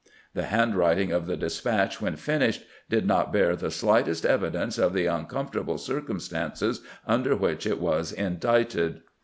The handwriting of the despatch when finished did not bear the slightest evidence of the uncomfortable cir cumstances under which it was indited.